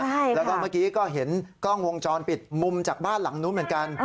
แล้วก็เมื่อกี้ก็เห็นกล้องวงจรปิดมุมจากบ้านหลังนู้นเหมือนกัน